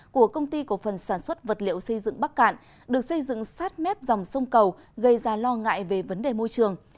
của công ty cổ phần sản xuất vật liệu xây dựng bắc cạn được xây dựng sát mép dòng sông cầu gây ra lo ngại về vấn đề môi trường